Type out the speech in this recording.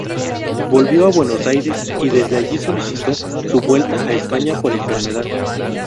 Volvió a Buenos Aires y desde allí solicitó su vuelta a España por enfermedad.